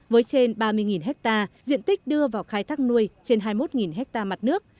với trên ba mươi hectare diện tích đưa vào khai thác nuôi trên hai mươi một hectare mặt nước